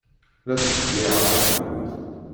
La ttḍeyyiɛeɣ akud.